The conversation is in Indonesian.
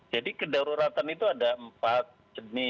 jadi kedaruratan itu ada empat jenis ya